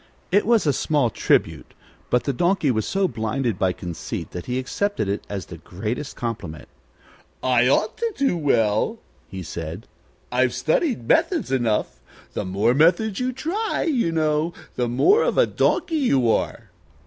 It was a small tribute, but the Donkey was so blinded by conceit that he accepted it as the greatest compliment. "I ought to sing well," he said. "I've studied methods enough. The more methods you try, you know, the more of a donkey you are."